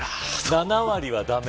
７割は駄目。